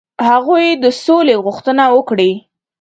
هغوی د سولي غوښتنه وکړي.